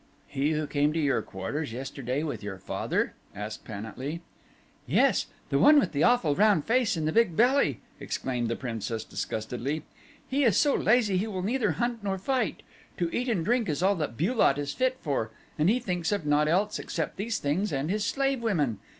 "He who came to your quarters yesterday with your father?" asked Pan at lee. "Yes; the one with the awful round face and the big belly," exclaimed the Princess disgustedly. "He is so lazy he will neither hunt nor fight. To eat and to drink is all that Bu lot is fit for, and he thinks of naught else except these things and his slave women.